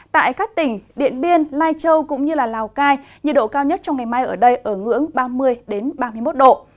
tại các tỉnh điện biên lai châu cũng như lào cai nhiệt độ cao nhất trong ngày mai ở đây ở ngưỡng ba mươi ba mươi một độ